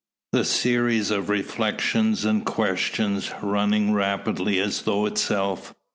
The series of reflections, and questions, runs rapidly as thought itself.